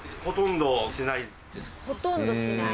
「ほとんどしない」